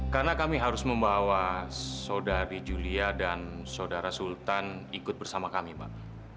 karena kami harus membawa saudari yulia dan saudara sultan ikut bersama kami mbak